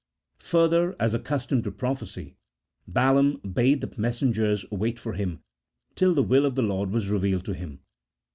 Further, as accustomed to prophesy, Balaam bade the messengers wait for liim till the will of the Lord was revealed to him.